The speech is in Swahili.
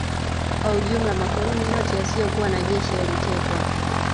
Kwa ujumla makoloni yote yasiyokuwa na jeshi yalitekwa